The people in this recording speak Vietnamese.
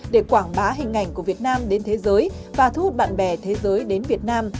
để quảng bá hình ảnh của việt nam đến thế giới và thu hút bạn bè thế giới đến việt nam